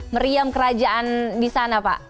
meriam kerajaan di sana pak